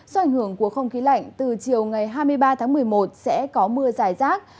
do ảnh hưởng của không khí lạnh từ chiều ngày hai mươi ba tháng một mươi một sẽ có mưa dài rác